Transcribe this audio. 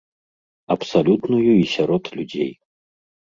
Абсалютную і сярод людзей.